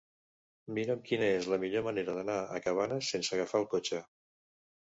Mira'm quina és la millor manera d'anar a Cabanes sense agafar el cotxe.